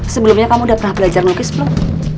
sebelumnya kamu udah pernah belajar nokis belum